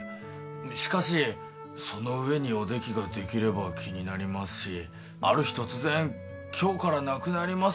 しかしその上におできができれば気になりますしある日突然今日からなくなります